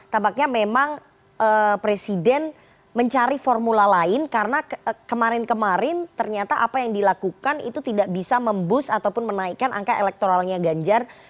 tampaknya memang presiden mencari formula lain karena kemarin kemarin ternyata apa yang dilakukan itu tidak bisa memboost ataupun menaikkan angka elektoralnya ganjar